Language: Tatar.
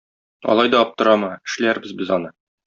Алай да аптырама, эшләрбез без аны.